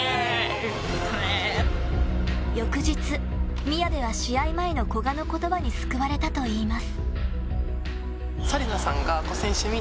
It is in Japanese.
翌日、宮部は試合前の古賀の言葉に救われたといいます。